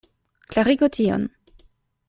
Klarigu tion.